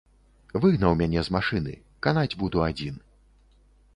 Выгнаў мяне з машыны, канаць буду адзін.